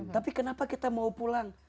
tapi kenapa kita mau pulang